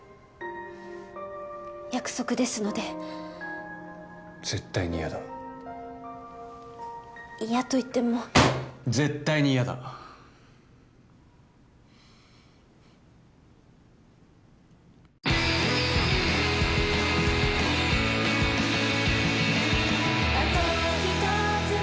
約束ですので絶対に嫌だ嫌といっても絶対に嫌だおかえりー！